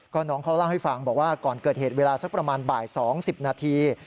ก็น้องเขาเล่าให้ฟังบอกว่าก่อนเกิดเหตุเวลาสักประมาณบ่าย๒๐นาที